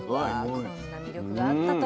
こんな魅力があったとは。